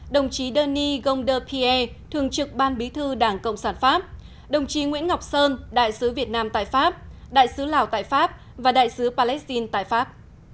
đồng chí donie gonder pierre thường trực ban bí thư đảng cộng sản pháp đồng chí nguyễn ngọc sơn đại sứ việt nam tại pháp đại sứ lào tại pháp và đại sứ palestine tại pháp